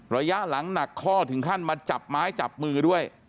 ระยะหลังหนักข้อถึงขั้นมาจับไม้จับมือด้วย